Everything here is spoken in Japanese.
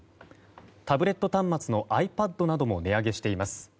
タブレット端末のｉＰａｄなども値上げしています。